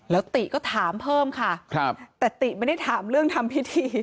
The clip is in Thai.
แล้วติก็ถามเพิ่มค่ะแต่ติไม่ได้ถามเรื่องทำพิธี